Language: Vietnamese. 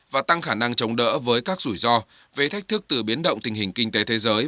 và tăng khả năng chống đỡ với các rủi ro về thách thức từ biến động tình hình kinh tế thế giới